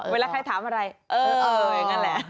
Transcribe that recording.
เวลาใครถามอะไรเอออย่างนั้นแหละ